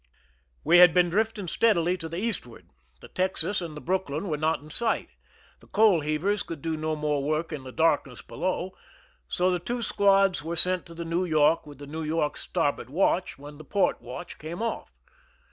We had been drifting steadily to the eastward; the Texas and the Brooklyn were not in sight. The coal heavers could do no more work in the dark ness below, so the two squads were sent to the New York with the New York^s starboard watch when the port watch came off.